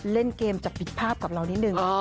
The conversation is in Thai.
เล่นเกมจับผิดภาพกับเรานิดนึง